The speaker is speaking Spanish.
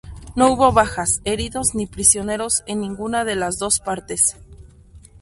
No hubo bajas, heridos ni prisioneros en ninguna de las dos partes.